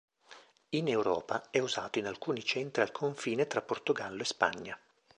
In Europa è usato in alcuni centri al confine fra Portogallo e Spagna.